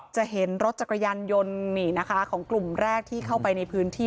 จะเห็นรถจักรยานยนต์นี่นะคะของกลุ่มแรกที่เข้าไปในพื้นที่